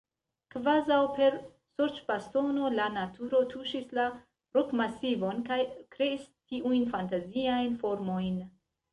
Kvazaŭ per sorĉbastono la naturo tuŝis la rokmasivon kaj kreis tiujn fantaziajn formojn.